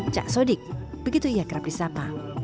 cak sodik begitu ia kerap disapa